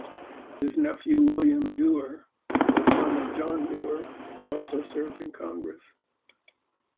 His nephew William Duer, the son of John Duer, also served in Congress.